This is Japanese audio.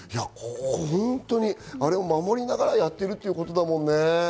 あれを守りながらやっているということだもんね。